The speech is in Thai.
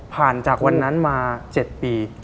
ผ่านจากวันนั้นมา๗ปี